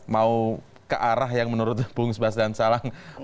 mau ke arah yang menurut bung sebastian salang